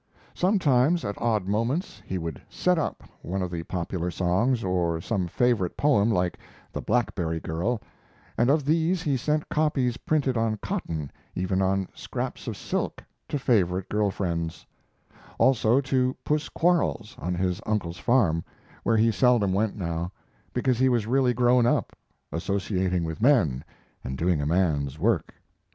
Sometimes, at odd moments, he would "set up" one of the popular songs or some favorite poem like "The Blackberry Girl," and of these he sent copies printed on cotton, even on scraps of silk, to favorite girl friends; also to Puss Quarles, on his uncle's farm, where he seldom went now, because he was really grown up, associating with men and doing a man's work.